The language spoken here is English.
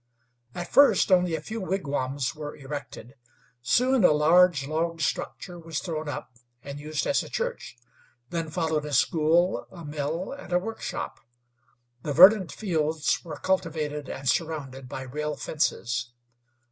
At first only a few wigwams were erected. Soon a large log structure was thrown up and used as a church. Then followed a school, a mill, and a workshop. The verdant fields were cultivated and surrounded by rail fences.